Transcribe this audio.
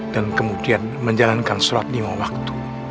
dan kemudian menjalankan surat lima waktu